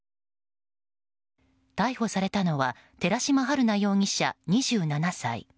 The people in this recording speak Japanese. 逮捕されたのは寺島春奈容疑者、２７歳。